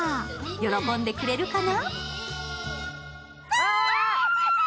喜んでくれるかな？